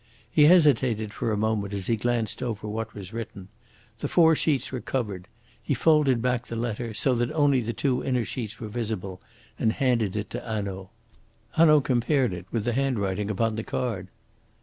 He hesitated for a moment as he glanced over what was written. The four sheets were covered. He folded back the letter, so that only the two inner sheets were visible, and handed it to Hanaud. Hanaud compared it with the handwriting upon the card.